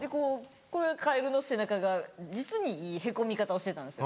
カエルの背中が実にいいへこみ方をしてたんです。